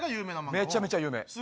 めちゃめちゃ有名。